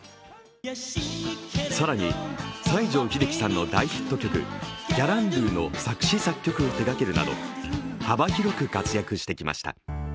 更に、西城秀樹さんの大ヒット曲「ギャランドゥ」の作詞・作曲を手がけるなど幅広く活躍してきました。